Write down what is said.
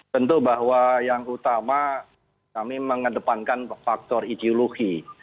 tentu bahwa yang utama kami mengedepankan faktor ideologi